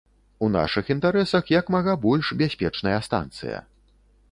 У нашых інтарэсах як мага больш бяспечная станцыя.